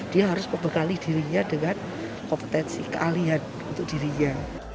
dia harus membekali dirinya dengan kompetensi kealian untuk dirinya